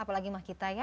apalagi mah kita ya